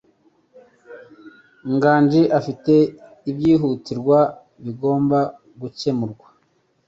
Nganji afite ibyihutirwa bigomba gukemurwa.